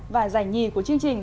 và giải nhì của chương trình